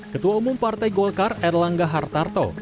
ketua umum partai golkar erlangga hartarto